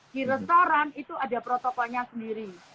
di restoran itu ada protokolnya sendiri